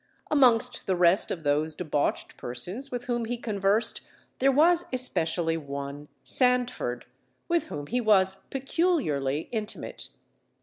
Amongst the rest of those debauched persons with whom he conversed there was especially one Sandford, with whom he was peculiarly intimate.